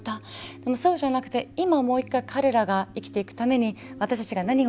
でもそうじゃなくて今もう一回彼らが生きていくために私たちが何をできるか。